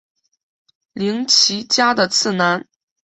绫崎家的次男。